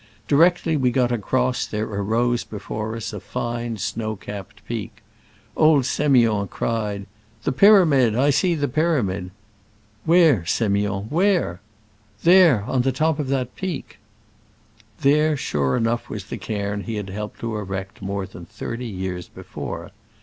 Directly we got across there arose before us a fine snow capped peak. Old S6miond cried, "The' pyramid! I see the pyramid!" "Where, S6miond, where?" "There, on the top of that peak." There, sure enough, was the cairn he had helped to erect more than thirty years before.